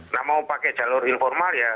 nah mau pakai jalur informal ya